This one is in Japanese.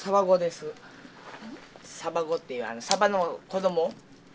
サバゴっていうサバの子ども。